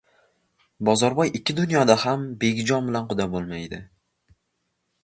Bozorboy ikki dunyoda ham Begijon bilan quda bo‘lmaydi.